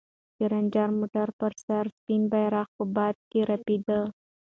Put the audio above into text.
د رنجر موټر پر سر سپین بیرغ په باد کې رپېده.